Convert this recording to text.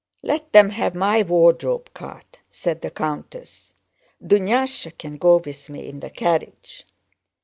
"Let them have my wardrobe cart," said the countess. "Dunyásha can go with me in the carriage."